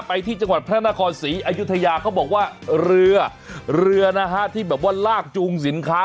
ไปที่จังหวัดพระนครศรีอยุธยาเขาบอกว่าเรือเรือนะฮะที่แบบว่าลากจูงสินค้า